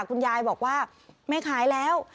คุณยายบอกว่าไม่ขายแล้ว